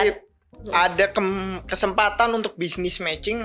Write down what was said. jadi ada kesempatan untuk bisnis matching